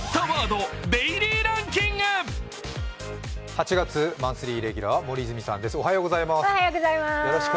８月マンスリーレギュラーは森泉さんです。